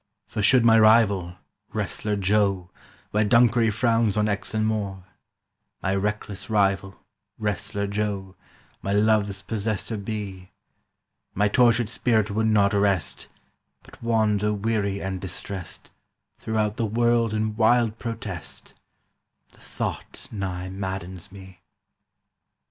"For should my rival, Wrestler Joe, Where Dunkery frowns on Exon Moor— My reckless rival, Wrestler Joe, My Love's possessor be, My tortured spirit would not rest, But wander weary and distrest Throughout the world in wild protest: The thought nigh maddens me!"